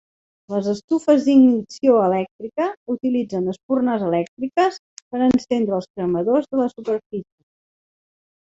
Les estufes d'ignició elèctrica utilitzen espurnes elèctriques per encendre els cremadors de la superfície.